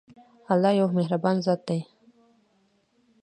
الله يو مهربان ذات دی.